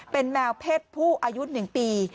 เป็นแมวเพศผู้อายุ๑ปี